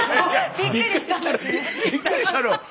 びっくりしたの？